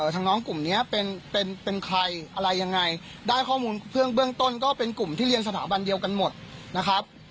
น้องกลุ่มนี้เป็นเป็นใครอะไรยังไงได้ข้อมูลเบื้องต้นก็เป็นกลุ่มที่เรียนสถาบันเดียวกันหมดนะครับ